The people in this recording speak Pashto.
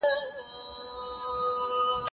د ساینس څانګه له نورو برخو بېله ده.